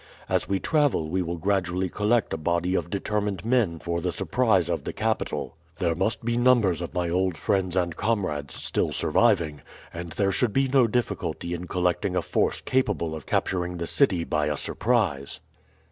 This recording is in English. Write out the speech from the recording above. As we travel we will gradually collect a body of determined men for the surprise of the capital. There must be numbers of my old friends and comrades still surviving, and there should be no difficulty in collecting a force capable of capturing the city by a surprise."